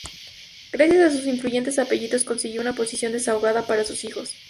Gracias a sus influyentes apellidos consiguió una posición desahogada para sus hijos.